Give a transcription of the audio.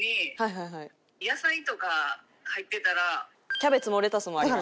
キャベツもレタスもあります。